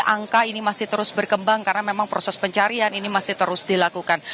angka ini masih terus berkembang karena memang proses pencarian ini masih terus dilakukan